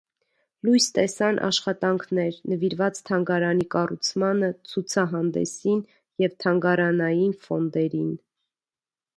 Լույս տեսան աշխատանքներ՝ նվիրված թանգարանի կառուցմանը, ցուցահանդեսին և թանգարանային ֆոնդերին։